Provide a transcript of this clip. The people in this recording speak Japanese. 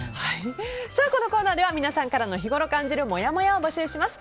このコーナーでは皆さんからの日ごろ感じるもやもやを募集します。